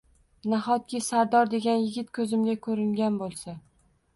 Nahotki, Sardor degan yigit ko`zimga ko`ringan bo`lsa